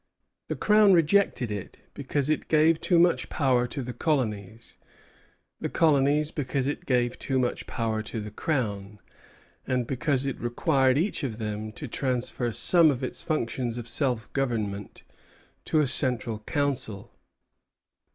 The Crown rejected it because it gave too much power to the colonies; the colonies, because it gave too much power to the Crown, and because it required each of them to transfer some of its functions of self government to a central council.